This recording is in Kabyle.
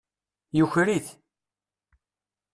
Yuker-it.